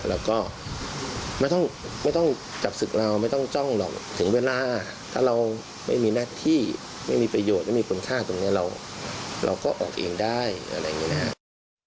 แล้วก็ไม่ต้องจับศึกเราไม่ต้องจ้องหรอกถึงเวลาถ้าเราไม่มีหน้าที่ไม่มีประโยชน์ไม่มีคุณค่าตรงนี้เราก็ออกเองได้อะไรอย่างนี้นะครับ